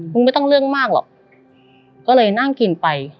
ไม่ต้องเรื่องมากหรอกก็เลยนั่งกินไป